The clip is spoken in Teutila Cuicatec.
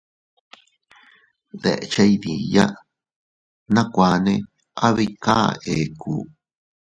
Deche iydiya, nakuane abika ekku.